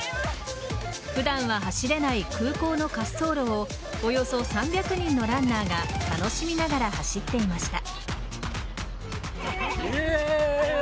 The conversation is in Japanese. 普段は走れない空港の滑走路をおよそ３００人のランナーが楽しみながら走っていました。